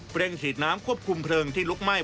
เร่งฉีดน้ำควบคุมเพลิงที่ลุกไหม้